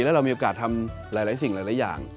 แล้วเรามีโอกาสทำหลายสิ่งหลายอย่าง